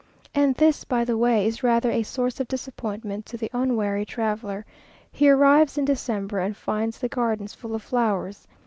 And this, by the way, is rather a source of disappointment to the unwary traveller. He arrives in December, and finds the gardens full of flowers.